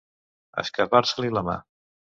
Escapar-se-li la mà.